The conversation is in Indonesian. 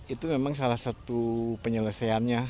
itu memang salah satu penyelesaiannya